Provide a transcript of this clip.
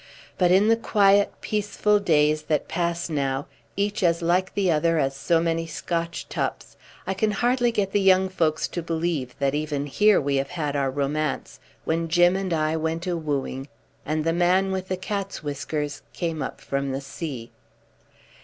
But in the quiet, peaceful days that pass now, each as like the other as so many Scotch tups, I can hardly get the young folks to believe that even here we have had our romance, when Jim and I went a wooing, and the man with the cat's whiskers came up from the sea.